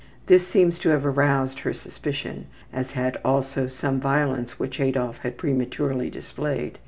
This seems to have aroused her suspicion, as had also some violence which Adolf had prematurely displayed.